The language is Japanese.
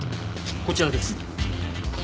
こちらです。